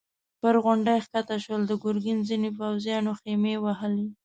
پر غونډۍ کښته شول، د ګرګين ځينو پوځيانو خيمې وهلې.